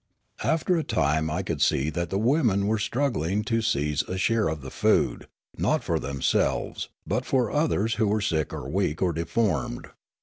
After a time I could see that the women were strug gling to seize a share of the food, not for themselves, but for others who were sick or weak or deformed.